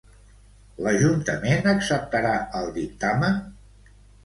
L'ajuntament acceptarà el dictamen?